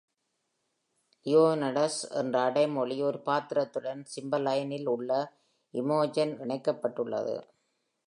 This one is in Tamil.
"லியோனடஸ்" என்ற அடைமொழி ஒரு பாத்திரத்துடன் "சிம்பலைன்" இல் உள்ள இமோஜென் இணைக்கப்பட்டுள்ளது.